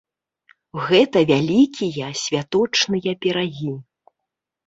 Гэта вялікія святочныя пірагі.